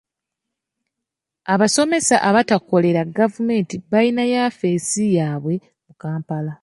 Abasomesa abatakolera gavumenti bayina yafeesi yaabwe mu Kampala.